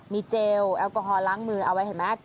มีเจลแอลกอฮอลล้างมือเอาไว้เห็นไหม